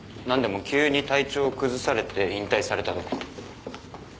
何でも急に体調を崩されて引退されたとか。